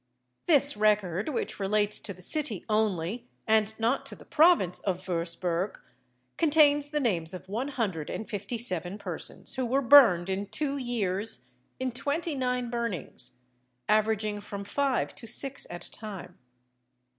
This record, which relates to the city only, and not to the province of Würzburg, contains the names of one hundred and fifty seven persons who were burned in two years in twenty nine burnings, averaging from five to six at a time.